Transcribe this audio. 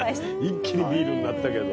一気にビールになったけど。